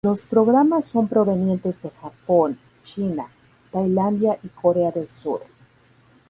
Los programas son provenientes de Japón, China, Tailandia y Corea del Sur.